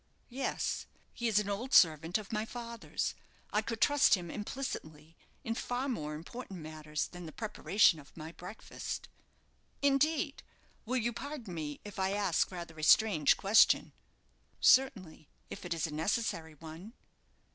"Yes; he is an old servant of my father's. I could trust him implicitly in far more important matters than the preparation of my breakfast." "Indeed! Will you pardon me if I ask rather a strange question?" "Certainly, if it is a necessary one."